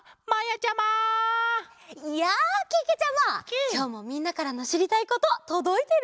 きょうもみんなからのしりたいこととどいてる？